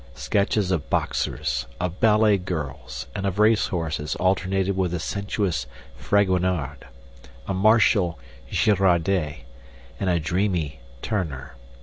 Sketches of boxers, of ballet girls, and of racehorses alternated with a sensuous Fragonard, a martial Girardet, and a dreamy Turner.